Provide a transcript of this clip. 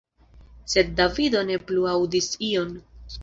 Sed Davido ne plu aŭdis ion.